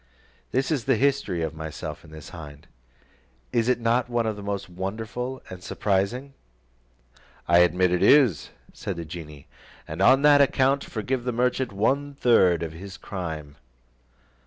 "This is the history of myself and this hind: is it not one of the most wonderful and surprising?" "I admit it is," said the genie, "and on that account forgive the merchant one third of his crime."